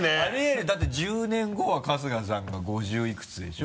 だって１０年後は春日さんが５０いくつでしょ？